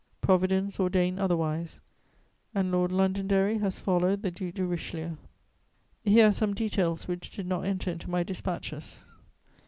Providence ordained otherwise, and Lord Londonderry has followed the Duc de Richelieu." Here are some details which did not enter into my dispatches.